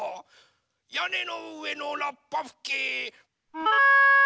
やねのうえのラッパふき！